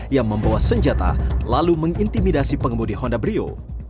yang membawa senjata lalu mengintimidasi pengemudi honda brio